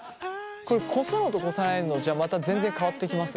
これこすのとこさないのじゃまた全然変わってきます？